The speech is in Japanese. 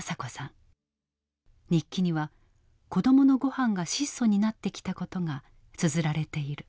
日記には子供の御飯が質素になってきたことがつづられている。